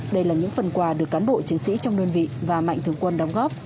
đây là những phần quà được cán bộ chiến sĩ trong đơn vị và mạnh thường quân đóng góp